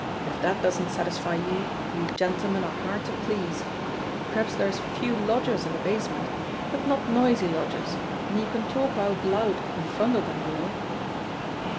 If that doesn't satisfy you, you gentlemen are hard to please. P'raps there's a few lodgers in the basement, but not noisy lodgers, and you can talk out aloud in front of them, you know!"